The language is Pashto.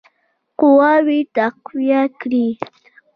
قواوي تقویه کړي.